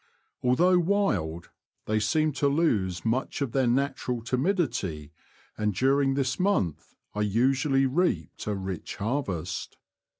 Although wild, they seem to lose much of their natural timidity, and during this month I usually reaped a rich harvest.